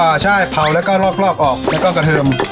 ใช่เผาแล้วก็ลอกลอกออกแล้วก็กระเทิม